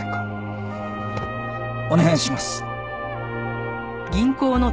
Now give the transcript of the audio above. お願いします！